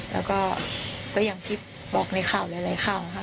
แล้วก็อย่างที่บอกในข่าวหลายข่าวค่ะ